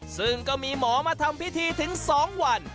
ซึ่งก็มีหมอมาทำพิธีถึง๒วัน